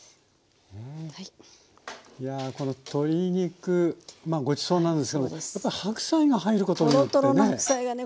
いやこの鶏肉ごちそうなんですけどもやっぱり白菜が入ることによってね。